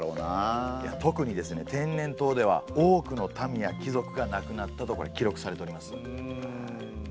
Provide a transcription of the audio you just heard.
天然痘では多くの民や貴族が亡くなったと記録されております。